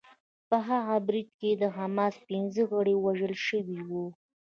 په هغه برید کې د حماس پنځه غړي وژل شوي وو